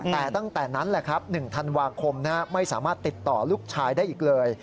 แต่ตั้งแต่นั้นแหละครับ๑ธันวาคมไม่สามารถติดต่อลูกชายได้อีกเลย